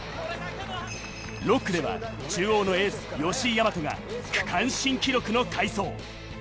６区では中央のエース・吉居大和が区間新記録の快走。